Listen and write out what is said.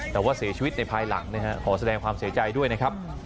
แต่ว่าเสียชีวิตในภายหลังนะฮะขอแสดงความเสียใจด้วยนะครับ